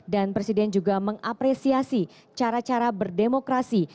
dan presiden juga mengapresiasi cara cara berdemokrasi